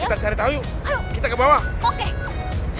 kita cari tahu yuk kita ke bawah oke